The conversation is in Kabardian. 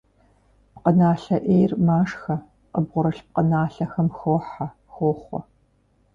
Пкъыналъэ «Ӏейр» машхэ, къыбгъурылъ пкъыналъэхэм хохьэ, хохъуэ.